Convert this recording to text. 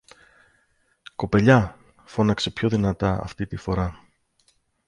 Κοπελιά, φώναξε πιο δυνατά αυτή τη φορά